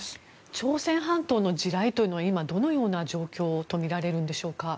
朝鮮半島の地雷というのは今、どのような状況とみられるんでしょうか。